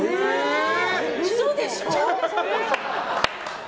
嘘でしょ？